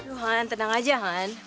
tiduh han tenang aja han